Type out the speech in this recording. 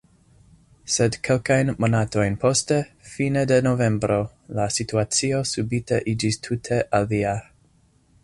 Sed kelkajn monatojn poste, fine de novembro, la situacio subite iĝis tute alia.